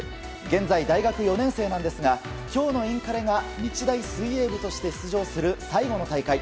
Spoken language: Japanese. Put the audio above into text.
現在、大学４年生なんですが今日のインカレが日大水泳部として出場する最後の大会。